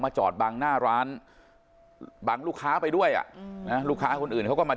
จอดบังหน้าร้านบังลูกค้าไปด้วยอ่ะอืมนะลูกค้าคนอื่นเขาก็มา